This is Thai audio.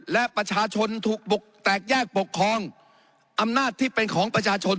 และประชาชนถูกบุกแตกแยกปกครองอำนาจที่เป็นของประชาชน